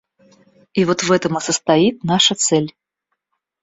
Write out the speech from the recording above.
И вот в этом и состоит наша цель.